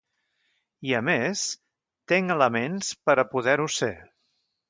I a més, tenc elements per a poder-ho ser.